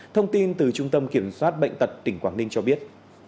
thông tin từ trung tâm kiểm soát bệnh tật tỉnh quảng ninh cho biết